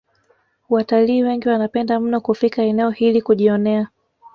Watalii wengi wanapenda mno kufika eneo hili kujionea